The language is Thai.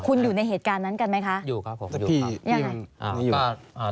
คุณอยู่ในเหตุการณ์นั้นกันไหมคะอยู่ครับผมอยู่ครับอย่างไรอ่าก็อ่า